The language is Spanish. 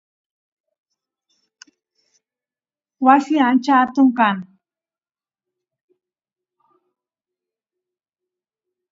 Tras resultar herido, trabajó como artista en hospitales y cuarteles.